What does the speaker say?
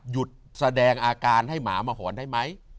หยุดแสดงอาการให้หมามาหอนได้ไหม